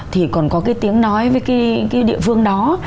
thì còn có cái tiếng nói với cái địa phương đó